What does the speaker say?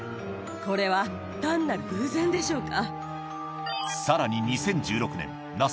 これは単なる偶然でしょうか？